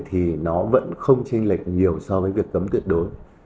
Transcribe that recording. thì nó vẫn không tranh lệch nhiều so với việc cấm tuyệt đối